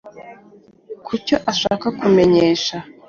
ku cyo ashaka kumenyesha